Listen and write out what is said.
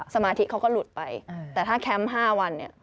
สมาธิเขาก็หลุดไปแต่ถ้าแคมป์๕วันเนี่ย